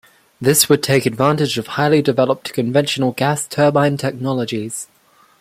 This would take advantage of highly developed conventional gas turbine technologies.